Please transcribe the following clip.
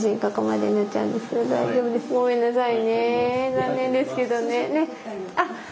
残念ですけどね。ね。